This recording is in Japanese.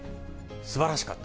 すばらしかった！